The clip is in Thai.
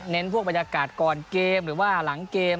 พวกบรรยากาศก่อนเกมหรือว่าหลังเกม